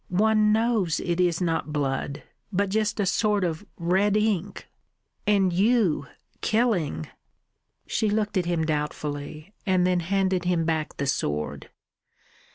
One knows it is not blood, but just a sort of red ink.... And you killing!" She looked at him doubtfully, and then handed him back the sword.